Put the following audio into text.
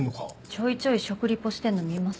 ちょいちょい食リポしてるの見ます。